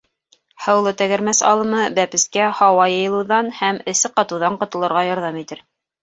«Һыулы тәгәрмәс» алымы бәпескә һауа йыйылыуҙан һәм эсе ҡатыуҙан ҡотолорға ярҙам итер.